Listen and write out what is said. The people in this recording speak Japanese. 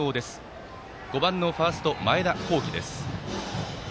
打席は５番のファースト、前田幸輝です。